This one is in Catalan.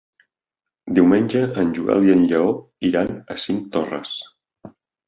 Diumenge en Joel i en Lleó iran a Cinctorres.